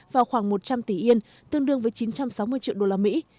vào khoảng một trăm linh tỷ yên tương đương với chín trăm sáu mươi triệu đô la mỹ